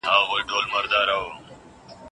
چي پښتانه پېغله ودیـږي